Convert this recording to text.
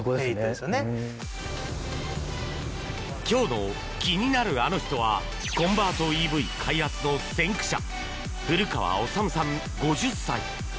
今日の気になるアノ人はコンバートＥＶ開発の先駆者古川治さん、５０歳。